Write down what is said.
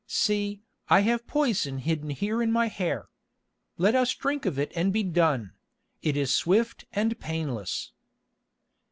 See, I have poison hidden here in my hair. Let us drink of it and be done: it is swift and painless."